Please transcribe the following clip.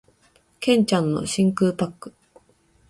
剣ちゃんの真空パック